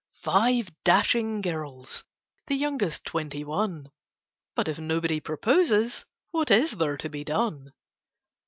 Five dashing girls, the youngest Twenty one: But, if nobody proposes, what is there to be done?